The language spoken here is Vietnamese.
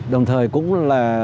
đồng thời cũng là